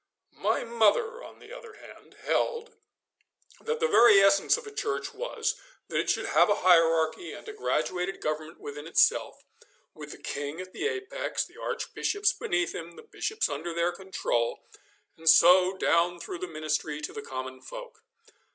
My mother, on the other hand, held that the very essence of a church was that it should have a hierarchy and a graduated government within itself, with the king at the apex, the archbishops beneath him, the bishops under their control, and so down through the ministry to the common folk.